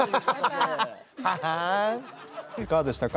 いかがでしたか？